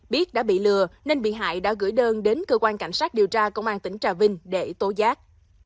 biết đã bị lừa nên bị hại đã gửi đơn đến cơ quan cảnh sát điều tra công an tỉnh trà vinh để tố giác